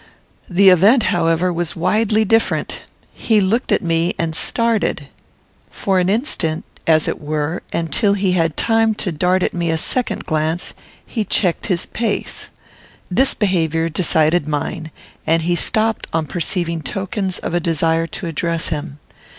The event, however, was widely different. He looked at me and started. For an instant, as it were, and till he had time to dart at me a second glance, he checked his pace. This behaviour decided mine, and he stopped on perceiving tokens of a desire to address him.